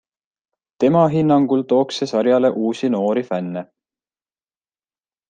Tema hinnangul tooks see sarjale uusi noori fänne.